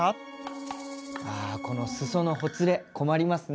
あこのすそのほつれ困りますね。